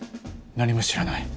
何も知らない。